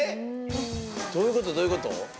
⁉どういうことどういうこと？